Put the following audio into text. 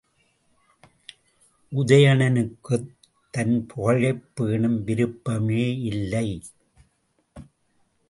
உதயணனுக்குத் தன் புகழைப் பேணும் விருப்பமே இல்லை.